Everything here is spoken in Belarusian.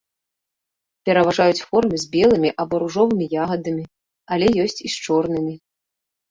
Пераважаюць формы з белымі або ружовымі ягадамі, але ёсць і з чорнымі.